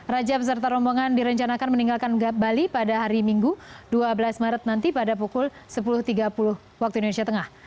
raja beserta rombongan direncanakan meninggalkan bali pada hari minggu dua belas maret nanti pada pukul sepuluh tiga puluh waktu indonesia tengah